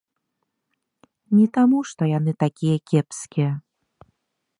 Не таму, што яны такія кепскія.